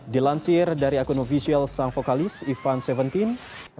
dilansir dari akun official sang vokalis ivan seventeen